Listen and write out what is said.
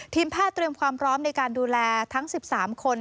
ทีมแพทย์เตรียมความพร้อมในการดูแลทั้ง๑๓คน